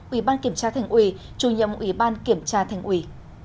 ủy ban kiểm tra thành ủy chủ nhiệm ủy ban kiểm tra thành ủy